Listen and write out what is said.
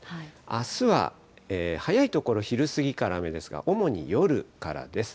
あすは早い所、昼過ぎから雨ですが、主に夜からです。